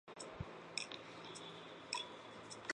它们栖息在热带或亚热带的低地潮湿森林。